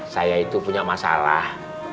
saya itu punya masalah